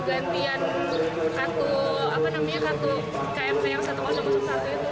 gantian kartu apa namanya kartu kmk yang seribu satu itu